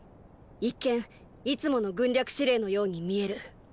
一見いつもの軍略指令のように見える。